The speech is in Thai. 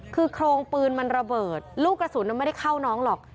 คือโครงปืนมันระเบิดลูกกระสุนไม่ได้เข้าน้องหรอก